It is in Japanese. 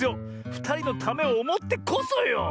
ふたりのためをおもってこそよ！